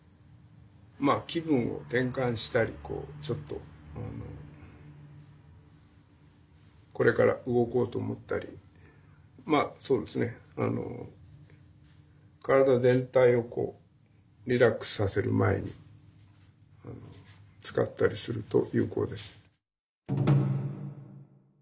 まあ気分を転換したりちょっとこれから動こうと思ったりまあそうですねあの体全体をリラックスさせる前に使ったりすると有効です。